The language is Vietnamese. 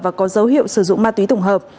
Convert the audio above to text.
và có dấu hiệu sử dụng ma túy tổng hợp